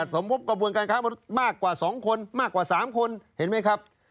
สมพบกระบวนการค้ามนุษย์มากกว่า๒คนมากกว่า๓คนเห็นไหมครับ